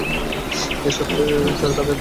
শহরটি চারদিকে কাদামাটির একটি শক্ত প্রাচীরে ঘেরা।